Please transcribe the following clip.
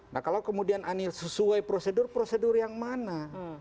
nah kalau kemudian anies sesuai prosedur prosedur yang mana